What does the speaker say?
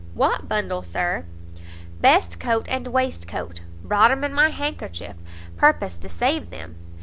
"What bundle, Sir?" "Best coat and waistcoat; brought 'em in my handkerchief, purpose to save them.